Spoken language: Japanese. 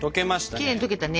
きれいに溶けたね。